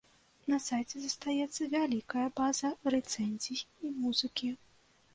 На сайце застаецца вялікая база рэцэнзій і музыкі.